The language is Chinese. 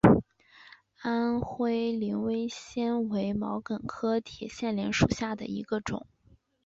安徽威灵仙为毛茛科铁线莲属下的一个种。